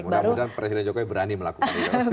mudah mudahan presiden jokowi berani melakukan itu